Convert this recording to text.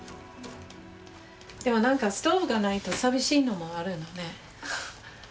でも何かストーブが無いと寂しいのもあるのね。